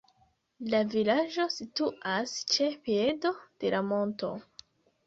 La vilaĝo situas ĉe piedo de la monto.